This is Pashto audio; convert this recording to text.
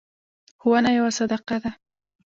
ښوونه یوه صدقه ده.